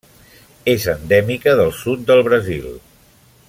És endèmica del sud del Brasil.